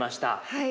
はい。